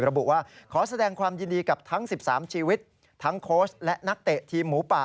ระบุว่าขอแสดงความยินดีกับทั้ง๑๓ชีวิตทั้งโค้ชและนักเตะทีมหมูป่า